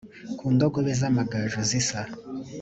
ku ndogobe z amagaju zisa